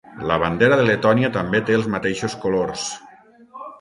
La bandera de Letònia també té els mateixos colors.